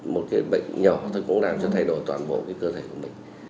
một bệnh nhỏ cũng làm cho thay đổi toàn bộ cơ thể của mình